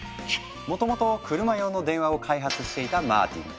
もともとクルマ用の電話を開発していたマーティン。